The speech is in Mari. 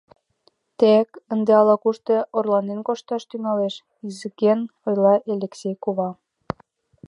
Те-э-к ынде ала-кушто орланен кошташ тӱҥалеш, — ызген ойла Элексей кува.